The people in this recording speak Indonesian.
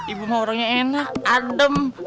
ibu mau orangnya enak adem